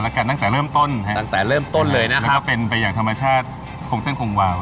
แล้วมีปัญหาก็พูดคุยกัน